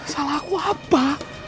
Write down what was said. salah aku apa